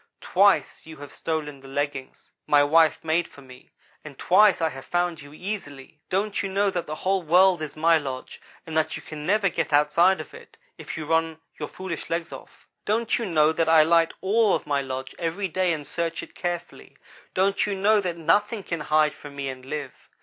Twice you have stolen the leggings my wife made for me, and twice I have found you easily. Don't you know that the whole world is my lodge and that you can never get outside of it, if you run your foolish legs off? Don't you know that I light all of my lodge every day and search it carefully? Don't you know that nothing can hide from me and live?